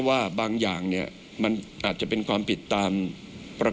กตบอกไว้ดังนั้นสิ่งที่ไม่แน่ใจก็ไม่ควรทำ